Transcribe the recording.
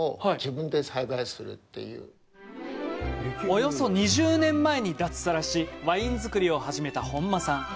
およそ２０年前に脱サラしワイン造りを始めた本間さん。